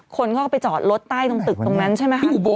คนเขาก็ไปจอดรถใต้ตรงตึกตรงนั้นใช่ไหมคะ